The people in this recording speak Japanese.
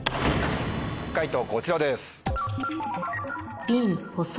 解答こちらです。